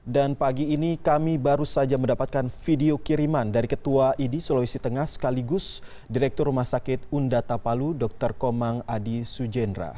dan pagi ini kami baru saja mendapatkan video kiriman dari ketua idi sulawesi tengah sekaligus direktur rumah sakit unda tapalu dr komang adi sujendra